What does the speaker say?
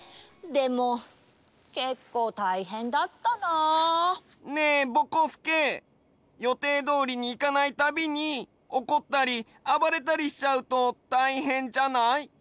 でもけっこうたいへんだったな！ねえぼこすけ予定どおりにいかないたびにおこったりあばれたりしちゃうとたいへんじゃない？